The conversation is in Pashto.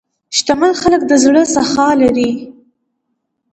شتمن خلک د زړه سخا لري.